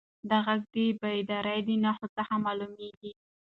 دا غږ د بیدارۍ د نښو څخه معلومېده.